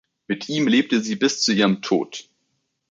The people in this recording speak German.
Mit ihm lebte sie bis zu ihrem Tod.